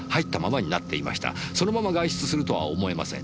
そのまま外出するとは思えません。